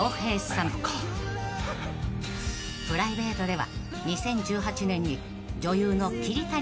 ［プライベートでは］